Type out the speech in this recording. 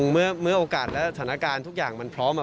เมื่อโอกาสและสถานการณ์ทุกอย่างมันพร้อม